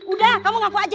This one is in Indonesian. udah kamu ngaku aja